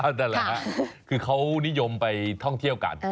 นั่นแหละฮะคือเขานิยมไปท่องเที่ยวกัน